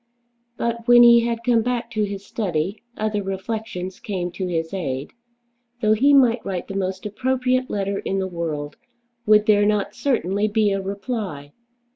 But when he had come back to his study, other reflections came to his aid. Though he might write the most appropriate letter in the world, would there not certainly be a reply?